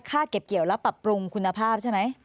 เก็บเกี่ยวแล้วปรับปรุงคุณภาพใช่ไหม